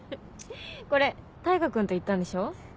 これ大牙君と行ったんでしょ？